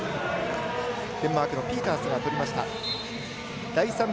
デンマークのピータースがとりました。